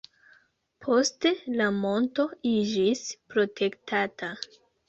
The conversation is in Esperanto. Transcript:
Poste la monto iĝis protektata.